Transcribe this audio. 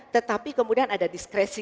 tetapi kemudian ada diskresi